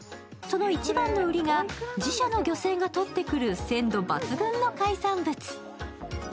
その一番の売りが自社の漁船が取ってくる鮮度抜群の海産物。